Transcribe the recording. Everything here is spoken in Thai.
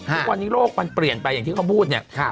ทุกวันนี้โลกมันเปลี่ยนไปอย่างที่เขาพูดเนี่ย